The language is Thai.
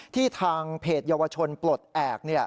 ทางเพจเยาวชนปลดแอบ